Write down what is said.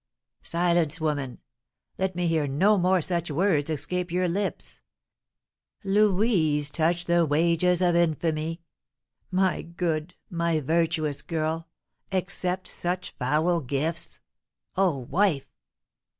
"Silence, woman! Let me hear no more such words escape your lips. Louise touch the wages of infamy! My good, my virtuous girl, accept such foul gifts! Oh, wife!"